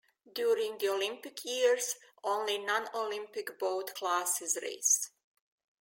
During Olympic years, only non-Olympic boat classes race.